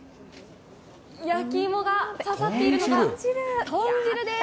焼き芋が刺さっているのが豚汁です。